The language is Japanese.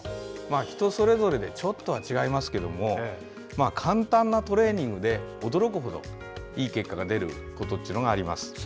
人それぞれでちょっとは違いますけど簡単なトレーニングで驚くほどいい結果が出ることがあります。